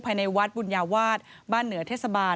ภายในวัดบุญญาวาสบ้านเหนือเทศบาล